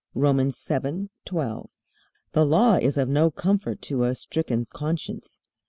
(Romans 7:12) The Law is of no comfort to a stricken conscience.